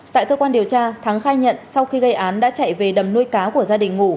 tại cơ quan điều tra thắng khai nhận sau khi gây án đã chạy về đầm nuôi cá của gia đình ngủ